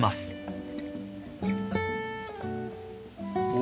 お。